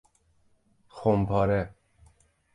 خمپاره